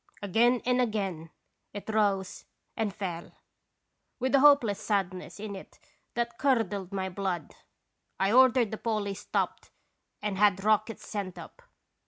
" Again and again it rose and fell, with a hopeless sadness in it that curdled my blood. I ordered the Polly stopped and had rockets sent up.